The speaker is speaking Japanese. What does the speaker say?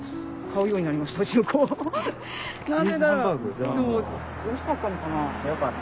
おいしかったのかなあ。